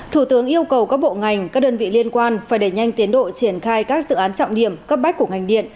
thủ tướng yêu cầu các bộ ngành các đơn vị liên quan phải đẩy nhanh tiến độ triển khai các dự án trọng điểm cấp bách của ngành điện